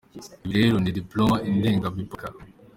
Ibi rero ni diplomas indenga mipaka.